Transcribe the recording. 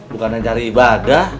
bukan ajaari ibadah